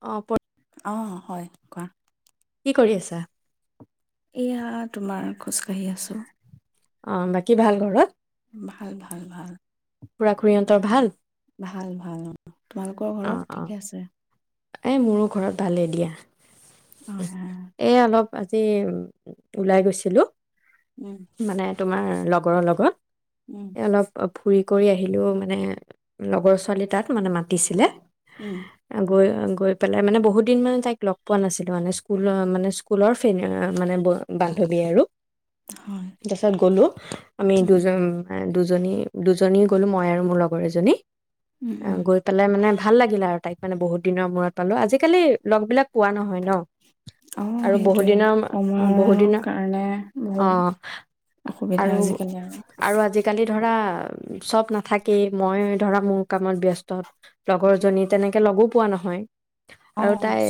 অ প আহ হয় কোৱা কি কৰি আছা এয়া তোমাৰ খোজকাাঢ়ি আছো অ বাকী ভাল ঘৰত ভাল ভাল ভাল খুৰা খুৰীহঁতৰ ভাল ভাল ভাল অ তোমালোকৰ ঘৰত ঠিকে আছে এ মোৰো ঘৰত ভালেই দিয়া অ অ এ অলপ আজি ওলাই গৈছিলোঁ উম মানে তোমাৰ লগৰৰ লগত উম অলপ ফুৰি কৰি আহিলোঁ মানে লগৰ ছোৱালী তাত মানে মাতিছিলে উম। গৈ গৈ পেলাই মানে বহুত দিন মানে তাইক লগ পোৱা নাছিলো মানে স্কুল মানে স্কুলৰে মানে বান্ধৱী আৰু হয়। তাৰছত গ'লো উ আমি উম দুজন দুজনী দুজনী গ'লোঁ মই আৰু মোৰ লগৰ এজনী উম অ উম। গৈ পেলাই মানে ভাল লাগিলে আৰু তাইক মানে বহুত দিনৰ মূৰত পালো আজিকালি লগবিলাক পোৱা নহয় ন অ আৰু সেইটোৱে বহুদিনৰ সময়ৰ বহুদিনৰ কাৰণে অ বহুত অসুবিধা আৰু আজিকালি আৰু আজিকালি ধৰা চব নাথাকেই মই ধৰা মোৰ কামত ব্যস্ত লগৰ জনী তেনেকে লগো পোৱা নহয় অ আৰু তাই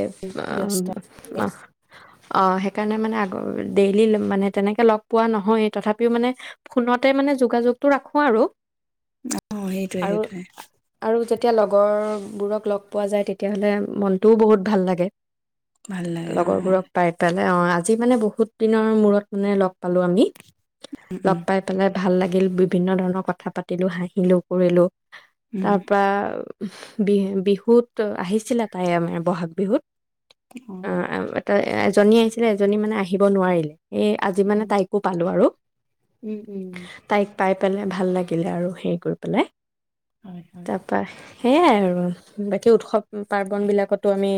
ব্যস্ত। আহ আহ অ সেইকাৰণে মানে আগ ডেইলি মানে তেনেকে লগ পোৱা নহয়েই তথাপিও মানে ফোনতে মানে যোগাযোগটো ৰাখো আৰু অ সেইটোৱে সেইটোৱে এতিয়া লগৰবোৰক লগ পোৱা যায় তেতিয়াহলে মনটোও বহুত ভাল লাগে ভাল লাগে অ লগৰবোৰক পাই ত অ আজি মানে বহুত দিনৰ মূৰত মানে লগ পালো আমি উম লগ উম পাই পেলাই ভাল লাগিল বিভিন্ন ধৰণৰ কথা পাতিলো হাঁহিলো কৰিলো উম। তাৰপা বিহে বিহুত ত আহিছিলা তাই আমাৰ ব'হাগ বিহুত এটা উ এজনী আহিছিলে এজনী মানে আহিব নোৱাৰিলে এ আজি অ মানে তাইকো পালো আৰু উম উম তাইক পাই পেলাই ভাল লাগিলে আৰু হেৰি কৰি পেলাই হয় হয়। তাৰপা সেয়াই আৰু ই উৎসৱ পাৰ্বন বিলাকতো আমি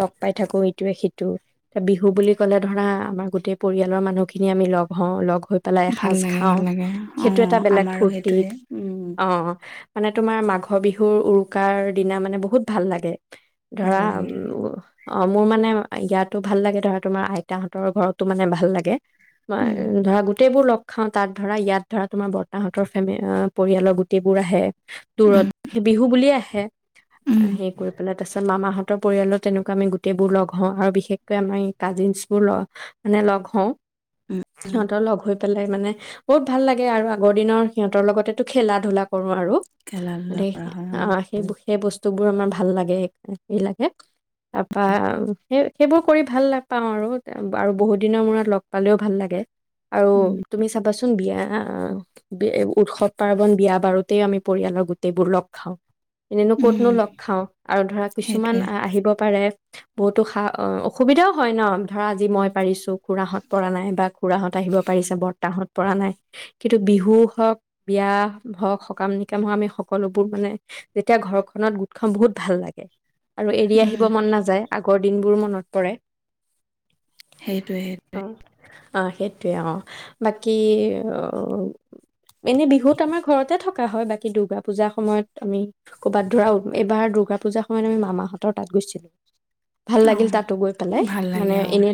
লগ পাই থাকো ইটোৱে সিটো বিহু বুলি ক'লে ধৰা আমাৰ গোটেই পৰিয়ালৰ মানুহখিনি আমি লগ হওঁ লগ গৈ পেলাই ভাল এসাজ লাগে খাওঁ ভাল লাগে অ সেইটো এটা বেলেগ আমাৰো ফূৰ্তি সেইটোৱে উম অ মানে তোমাৰ মাঘৰ বিহুৰ উৰুকাৰ দিনা মানে বহুত ভাল লাগে ভাল ধৰাা লাগে উ উ অ মোৰ মানে ইয়াতো ভাল লাগে ধৰা তোমাৰ আইতাহঁতৰ ঘৰতো মানে ভাল লাগে উম ধৰা গোটেই বোৰ লগ খাওঁ তাত ধৰা ইয়াত ধৰা তোমাৰ বৰ্তাহঁতৰ ফেম পৰিয়ালৰ গোটেইবোৰ আহে উম দূৰত সেই বিহু বুলিয়ে উম আহে কৰি পেলাই তাৰ পিছত মামাহঁতৰ পৰিয়ালো তেনেকোৱা আমি গোটেইবোৰ লগ হওঁ আৰু বিশেষকৈ আমি কাজিনছ বোৰ মানে লগ হওঁ উম উম সিহঁতৰ লগ হৈ পেলাই মানে বহুত ভাল লাগে আৰু আগৰ দিনৰ সিহঁতৰ লগতেতো খেলা ধূলা কৰো আৰু আৰু খেলা ধূলা মানে কৰা হয় অ সেই সেই বস্তু তোবোৰ আমাৰ ভাল লাগে। হে লাগে। তাৰপা সেই সেইবোৰ কৰি ভাল লাপাওঁ আৰু আৰু বহুত দিনৰ মূৰত লগ পালেও ভাল লাগে আৰু উম তুমি চাবাচোন বিয়া আহ উৎসৱ পাৰ্বন বিয়া বাৰুতেই আমি পৰিয়ালৰ গোটেইবোৰ লগ খাওঁ। উম ক'তনো লগ খাওঁ? আৰু ধৰা কিছুমান সেইটোৱে আ আহিব পাৰে বহুতো সা অসুবিধাও হয় ন? ধৰা আজি মই পাৰিছোঁ। খুৰাহত পৰা নাই বা খুৰাহত আহিব পাৰিছে বৰ্তাহত। পৰা নাই কিন্তু বিহু হওঁক বিয়া হওঁক সকাম নিকাম হওঁক আমি সকলোবোৰ মানে যেতিয়া ঘৰ নত গোট খাওঁ বহুত ভাল লাগে। আৰু এৰি উম আহিব মন নাযায় আগ কৰ দিনবোৰ মনত পৰে। সেইটোৱে সেইটোৱে। অ সেইটোয়ে অ' বাকী এনে বিহুত আমাৰ ঘৰতে থক হয় বাকী দুৰ্গা পূজাৰ সময়ত আমি ক'বাত ধৰা এইবাৰ দুৰ্গা পূজাৰ সময়ত আমি মামাহঁতৰ তাত গৈছিলোঁ। ভাল অ লাগিল তাতো গৈ পেলাই ভাল লাগে মানে অ এনে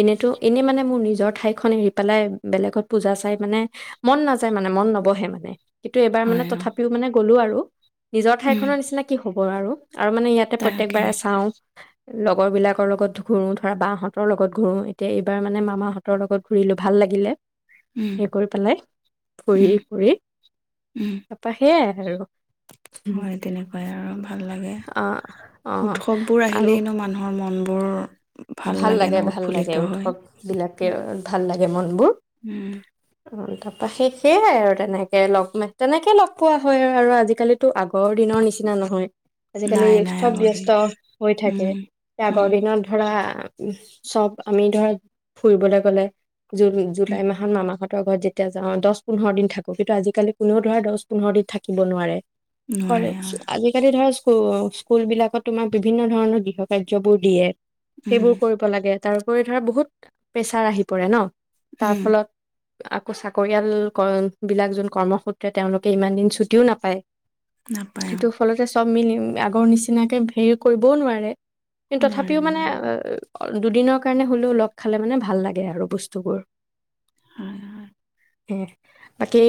এনেতো এনেই মানে মোৰ নিজৰ ঠাইখন এৰি পেলাই বেলেগত পূজা চাই মানে মন নাযায় মানে মন নব'হে মানে কিন্তু এইবাৰ মানে হয় অ তথাপিও মানে গ'লো আৰু নিজ উম নৰ নিচিনা কি হ'ব আৰু? আৰু মানে ইয়াতে তাকে প্ৰত্যয়েকবাৰে চাওঁ। লগৰবিলাকৰ লগত ঘূৰোঁ ধৰা বাহঁতৰ লগত ঘূৰোঁ এতিয়া এইবাৰ মানে মামাহঁতৰ লগত ঘূৰিলোঁ ভাল লাগিলে। উম সেই কৰি পেলাই ফুৰি উম ঘুৰি উম তাপা সেয়াই। আৰু উম হয় তেনেকুৱাই আৰু ভাল লাগে অ', উৎসৱবোৰ আৰু আহিলেনো মানুহৰ মন বোৰ ভাল লাগে ভাল লাগে উৎসৱ বিলাকে ভাল লাগে। মন বোৰ। উম অ তাৰপা সেই সেয়াই আৰু তেনেকে লগ তেনেকে লগ পোৱা হয় আৰু আৰু আজিকালিতো আগ গৰ দিনৰ নিচিনা নহয় আজিকালি নাই নাই চব আগৰ দিন ব্যস্ত হৈ থাকে উম আগৰ উম দিনত আহ চব আমি ধৰক ফুৰিবলৈ গ'লে জুন উম জুলাই মাহত মামাঘৰত ঘৰত যেতিয়া যাওঁ, দচ পোন্ধৰ দিন থাকো। কিন্তু আজিকালি কোনেও ধৰা দচ পোন্ধৰ দিন থাকিব নোৱাৰে। নোৱাৰে কলেজ, হয় আজিকালি ধৰা। অ' স্কুল বিলাকত তোমাক বিভিন্ন ধৰণৰ গৃহ কাৰ্যবোৰ দিয়ে। উম সেইবোৰ কৰিব লাগে। তাৰোপৰি ধৰা বহুত প্ৰেছাৰ আহি পৰে ন! তাৰ উম ফলত। আকৌ চাকৰিয়াল কৰন, বিলাক যোন কৰ্মসূত্ৰে তেওঁলোকে ইমান দিন ছুটিও নাপায়। নাপায়। অ সেইটো ফলতে চব মিলি, মা- আগৰ নিচিনাকে ভেৰ কৰিবও নোৱাৰে কিন্তু তথাপি। নোৱাৰে কিন্তু মানে নোৱাৰে অ দুদিনৰ কাৰণে হ'লেও লগ খালে মানে ভাল লাগে আৰু বস্তুবোৰ। হয় হয়। হোহ, বাকী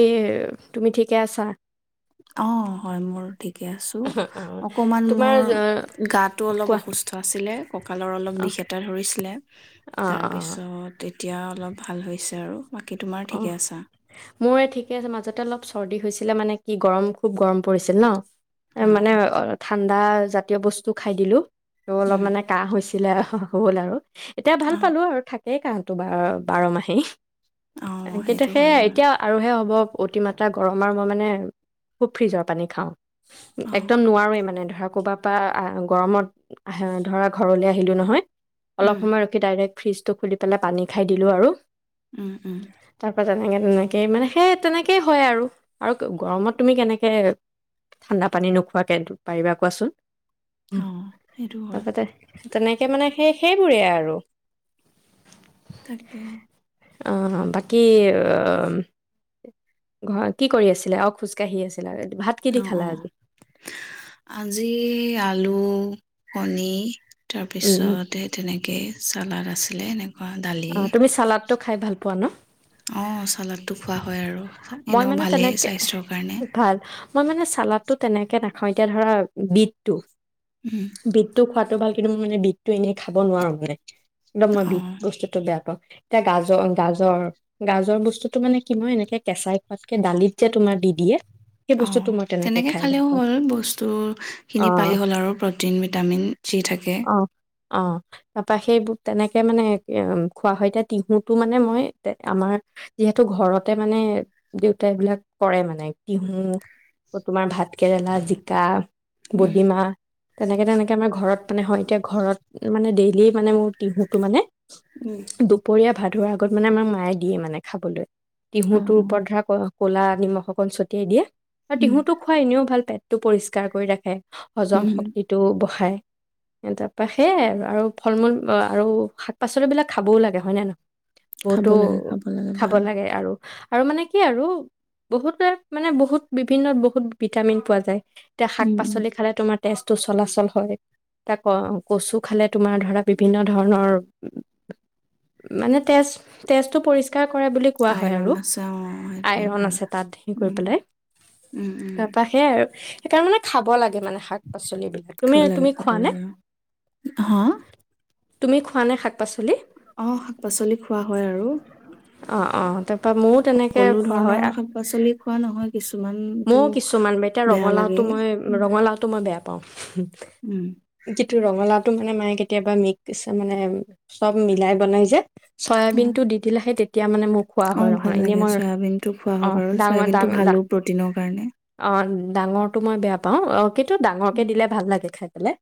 তুমি ঠিকে আছা? অ হয় মোৰ। ঠিকে আছো, অ অকণমান তোমাৰ মোৰ গাটো অলপ কোৱা অসুস্থ আছিলে, কঁকালৰ অলপ অ বিষ এটা ধৰিছিলে। অ অ তাৰপিছত এই এতিয়া অলপ ভাল হৈছে আৰু। বাকী তোমাৰ অঁ ঠিকে আছা? মোৰ ঠিকে আছে মাজতে অলপ চৰ্দি হৈছিল। আছিলে মানে, কি গৰম খুব গৰম পৰিছিল ন! হয়, মানে হয়। অ' ঠাণ্ডা। আদা জাতীয় বস্তু খাই দিলোঁ। ত অলপ উম, মানে কাহ হৈছে। বিলাইখন হ'ল আৰু। এতিয়া ভাল অ', পালো আৰু থাক। থাকেই কাহটো, বাৰ- বাৰ মাহেই। অ', কিন্তু সেইটো হয় সেয়াই বাৰু। এতিয়া আৰুহে হ'ব। অতিমাত্ৰা গৰম আৰু মই মানে খুব ফ্ৰিজৰ পানী খাওঁ। অ', একদম নোৱাৰোৱেই মানে ধৰ আকৌ কৰবাৰ পৰা আহ' গৰমত আহে ধৰা ঘৰলে আহিলো নহয়। উম, অলপ সময় ৰখি ডাইৰেক্ট। ফ্ৰীজটো খুলি পেলাই পানী খাই দিলোঁ আৰু। উম উম। তাৰপৰা তেনেকৈ, তেনেকে হয় আৰু মানে সেই তেনেকেই হয় আৰু গৰমত তুমি কেনেকৈ ঠাণ্ডা পানী নোখোৱাকৈ পাৰিবা কোৱাচোন? হুমহ' অ', সেইটো হয় তাপতে তেনেকে মানে সেই সেইবোৰে আৰু। তাকে। অ', বাকী আ-আ ঘৰ কি কৰি আছিলা? অ', খোজকাঢ়ি আছি অ', অ', আজি, আলু কণী উম উম তাৰপিছত সেই তেনেকে চালাড আছিলে এনে অ', তুমি চালাড ত খাই ভাল পোৱা ন? অ', চালাডটো খোৱা হয় আৰু মই এনেও মানে ভালেই তেনেকে স্বাস্থ্যৰ কাৰণে। তাতো তেনেকে নাখাওঁ এতিয়া ধৰা বিততো উম, বিতটো খোৱাত টো ভাল। কিন্তু মই মানে বিতটো এনে খাব নোৱাৰো মানে অ', [unintelligible] [unintelligible] বেয়া পাওঁ। এতিয়া গাজৰ, গাজৰ, গাজৰ বস্তুতটো মানে কি মই এনেকে কেঁচাই খোৱাতকে দালিত যে তোমাৰ দি দিয়ে সেই বস্তুটো অ', মই তেনেকে তেনেকৈ খাই ভাল খালেও পাওঁ হ'ল বস্তুখিনি অ পাই গল আৰু প্ৰটিন ভিটামিন যি থাকে। অ', অ', তাৰপৰা সেইবোৰ তেনেকৈ মানে খোৱা হয় এতিয়া তিহুতটো মানে মই আমাৰ যিহেতু ঘৰতে মানে দেউতাই এইবিলাক কৰে মানে তিহু, তোমাৰ ভাতকেৰেলা, জিকা উম, বডীমাহ তেনেকে তেনেকে আমাৰ ঘৰত মানে হয় এতিয়া ঘৰত মানে ডেইলি মানে মোৰ তিহুটো মানে উম। দুপৰীয়া ভাত [unintelligible] আগত মানে আমাৰ মায়ে দিয়ে মানে খাবলৈ অ', তিহুটোৰ অ', ওপৰত ধৰা ক ক'লা নিমখ অকণ ছটিয়াই দিয়ে আৰু উম, তিহুটো খোৱা এনেও ভাল পাই টো পৰিষ্কাৰ কৰি ৰাখে। হজম উম, শক্তিটো বহায়। তাৰপা সেইয়াই আৰু ফল মূল আ-আৰু শাক পাচলিবিলাক খাবও লাগে হয় নে‌? ন খাব লাগে, [unintelligible] লাগে খাব ভাল। লাগে আৰু। আৰু মানে কি আৰু বহুত মানে বহুত বিভিন্নত বহুত ভিটামিন পোৱা যায়। এতিয়া শাক উম, উম, পাচলি খালে তোমাৰ তেজটো চলাচল হয়। তাক কচু খালে তোমাৰ ধৰা বিভিন্ন ধৰণৰ মানে তেজ তেজটো পৰিষ্কাৰ কৰে বুলি কোৱা হয় আইৰণ আৰু আছে অ', সেইটোৱে আইৰন ভাল। আছে তাত হে কৰি উম, পেলাই উম, উম। তাৰপা সেই আৰু সেইকাৰণে মানে, খাব লাগে। মানে শাক পাচলিবিলাক তুমি খাব লাগে, তুমি খাব খোৱা নে লাগে অ'। হা? তুমি জোৱানে শাক। পাচলি, অ শাক পাচলি খোৱা হয় আৰু অঁ! অঁ! তাৰপা ময়ো তেনেকে সকলো খোৱা হয়। ধৰণৰ শাক পাচলি খোৱা নহয়, কিছুমানতো মই কিছুমান এতিয়া বেয়া ৰঙালাওটো লাগে। মই উম, ৰঙালাওতো মই বেয়া পাওঁ উম, পাওঁ যিটো ৰঙালাও টো মানে মায়ে কেতিয়াবা মিকছে মানে চব মিলাই বনাই যে, চয়াবিন টো দি দিলে সেই তেত তিয়া মানে মোৰ খোৱা হয় অ', ভাল নহয় এনেই লাগে মই চয়াবিনটো খোৱা অ হয় বাৰু, ডাঙৰ চয়াবিনটো ডাঙ ডা ভালো প্ৰটিনৰ কাৰণে! ডাঙৰটো মই বেয়া পাওঁ! অ' টো ডাঙৰক দে ভাল লাগে খাই মানে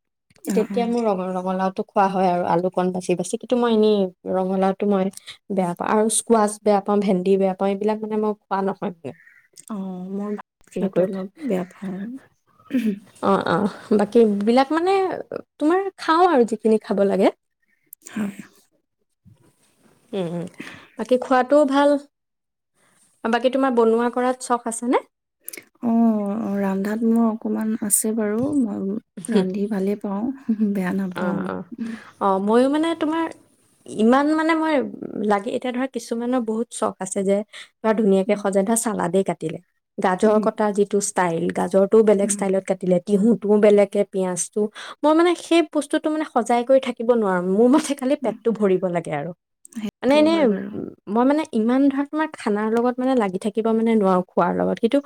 অ তেতিয়া মোৰ অ ৰঙ ৰঙালাওটো খোৱা হয় আৰু আলুকণ বাচি বাচি, কিন্তু মই এনেই, ৰঙালাওটো মই বেয়া পাওঁ আৰু স্কোৱাচ বেয়া পাওঁ, ভেন্দি বেয়া পাওঁ। এইবিলাক মানে, মই খোৱা নহয় মানে। অ' মোৰ হেৰি কৰি [unintelligible] অলপ বেয়া পাওঁ আৰু অ অ বাকী বিলাক মানে তোমাৰ খাওঁ আৰু যিখিনি খাব লাগে হয়। উম, উ! বাকী খোৱাটোও ভাল। বাকী তোমাৰ বনোৱা কৰাত চখ আছেনে? অঁ! ৰান্ধাত মোৰ অকমান আছে বাৰু। মই ৰান্ধি ভালেই পাওঁ। বেয়া অঁ! নাপাওঁ। অঁ! অ' ময়ো মানে তোমাৰ, ইমান মানে মই, লাগে এতিয়া ধৰা, কিছুমানৰ বহুত চখ আছে যে! বা ধুনীয়াকে সজাই চালাদেই কাটিলে। গাজৰ উম, কটাৰ যিটো ষ্টাইল গাজৰ টো বেলেগ উম, উম, ষ্টাইলত কাটিলে। টিহুটোও বেলেগে, পিঁয়াজটো মই মানে সেই বস্তুতটো মানে সজাই কৰি থাকিব নোৱাৰো মোৰ ম খালি পেটটো ভৰিব লাগে আৰু, মানে সেইটো এনে হয় উ বাৰু মই মানে ইমান ধৰা, তোমাৰ খানাৰ লগত মানে লাগি থাকিব মানে নোৱাৰোঁ খোৱাৰ লগত, কিন্তু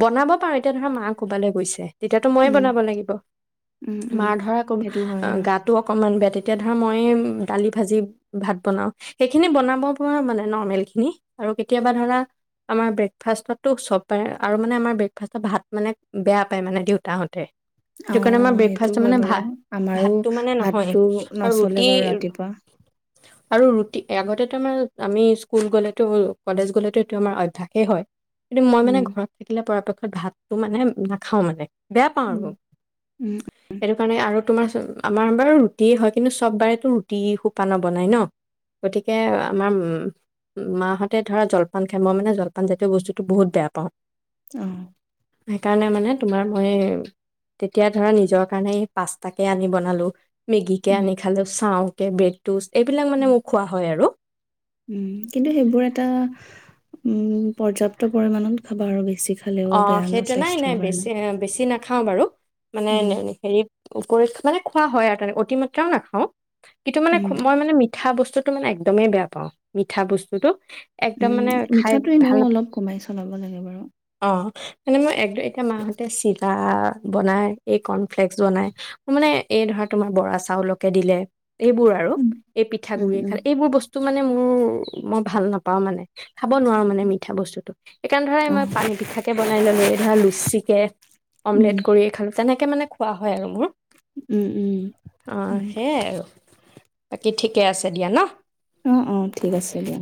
বনাব পাৰোঁ। এতিয়া ধৰা, মা ক'বালৈ গৈছে তেতিয়াতো মইে উম, বনাব লাগিব। উম, উম, মাৰ ধৰা কোনো সেইটো হয় অহ, বাৰু গাটো অকমান ইমান বেয়া, তেতিয়া ধৰা মই দালি, ভাজি, ভাত বনাওঁ। সেইখিনি বনাব পৰা মানে নৰ্মেল খিনি আৰু কেতিয়াবা ধৰা আমাৰ ব্ৰেকফাষ্টতটো সব পাই আৰু মানে আমাৰ ব্ৰেকফাষ্টত ভাত মানে বেয়া পায় মানে দেউতাহঁতে। সেইটো কাৰণে অহ, আমাৰ সেইটো ব্ৰেকফাষ্টত হয় মানে বাৰু। ভাত আমাৰো ভাতটো মানে নহয় ভাতটো আৰু নচলে ৰুটি বাৰু ৰাতিপুৱা। আৰু ৰুটি আগতেতো আমাৰ আমি স্কুল গ'লেতো, কলেজ গ'লেতো এইটো আমাৰ অভ্যাসে হয়। কিন্তু মই মানে উম, ঘৰত থাকিলে পৰাপক্ষ ভাতটো মানে, নাখাওঁ মানে। বেয়া পাওঁ আৰু উম, উম, সেইটো কাৰণে আৰু। তোমাৰ আমাৰ বাৰু ৰুটিয়েই হয়, কিন্তু চব বাৰেতো ৰুটি সোপা নবনায় ন। গতিকে আমাৰ মাহঁতে ধৰা জলপান খায়, মই মানে জলপান জাতীয় বস্তুটো বহুত বেয়া পাওঁ। অহ। সেইকাৰণে মানে তোমাৰ মই, তেতিয়া ধৰা নিজৰ কাৰণে এই পাচ তাকে আনি বনালো। মেগীকে উম, আনি খালোঁ, চাওঁকে বেঠি জুছ এইবিলাক মানে উম, মোক খোৱা হয় আৰু। উম, কিন্তু সেইবোৰ এটা উম, পৰ্যাপ্ত পৰিমাণত খাবা আৰু বেছি খালেও অ', বেয়া ন সেইটো, নাই, নাই স্বাস্থ্যৰ কাৰণে বেছি, বেছি না খাওঁ বাৰু। মানে উম, হেৰি কৰি মানে খোৱা হয় আৰু তেনেকে অতিমাত্ৰাও নাখাওঁ। কিন্ত মানে উম, মই মানে মিঠা বস্তু। বস্তুটো মানে একদমেই বেয়া পাওঁ, মিঠা বস্তুটো। একদম উম, মানে খাই মিঠাটো ভাল এনেও অলপ কমাই চলাব লাগে বাৰু। অ মানে মই এক এটা মাহঁতে চিত চাহ বনাই, এই কৰ্ণফ্লেক্স বনাই মানে এই ধৰা তোমাৰ বৰা চাউলকে দিলে। এইবোৰ আৰু উম, এই পিঠা উম, গুড়ি এ উম, খালে, এইবোৰ বস্ টো মানে মোৰ মই ভাল নাপাওঁ মানে। খাব নোৱাৰো মানে মিঠা বস্তুটো, সেইকাৰণে ধৰা অ', মই পানী প বনাই ললো এই ধৰা লুচিকে উম, অমলেট কৰি খ যেনেকে মানে খোৱা হয় আৰু মোৰ উম, উম, অ হয়, সেইয়াই আৰু বাকী ঠিকে আছে দিয়া ন অ অ ঠিক আছে দিয়া